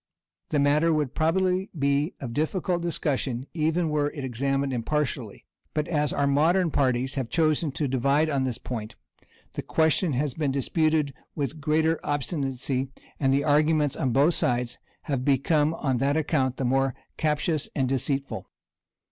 The matter would probably be of difficult discussion, even were it examined impartially; but as our modern parties have chosen to divide on this point, the question has been disputed with the greater obstinacy, and the arguments on both sides have become, on that account, the more captious and deceitful.